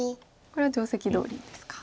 これは定石どおりですか。